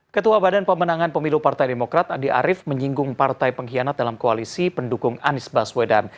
ketua badan pemenangan pemilu partai demokrat andi arief menyinggung partai pengkhianat dalam koalisi pendukung anies baswedan